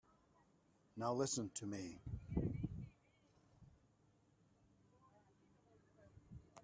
Now listen to me.